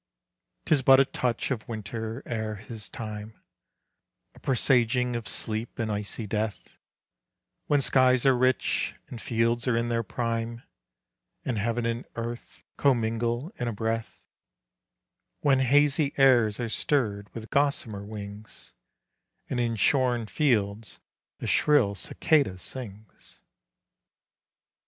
'Tis but a touch of Winter ere his time, A presaging of sleep and icy death, When skies are rich and fields are in their prime, And heaven and earth commingle in a breath: When hazy airs are stirred with gossamer wings, And in shorn fields the shrill cicada sings.